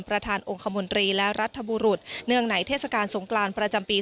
ประธานองค์คมนตรีและรัฐบุรุษเนื่องในเทศกาลสงกรานประจำปี